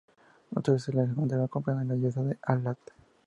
Otras veces se le encontraba acompañado de la diosa Al-lat.